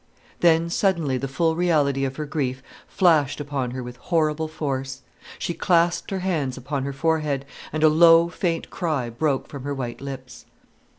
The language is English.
Then suddenly the full reality of her grief flashed upon her with horrible force. She clasped her hands upon her forehead, and a low faint cry broke from her white lips.